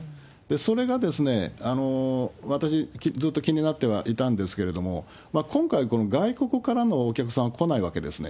それが私、ずっと気になってはいたんですけれども、今回、この外国からのお客さんは来ないわけですね。